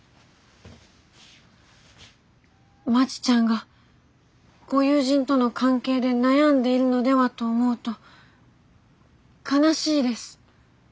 まちちゃんがご友人との関係で悩んでいるのではと思うと悲しいです。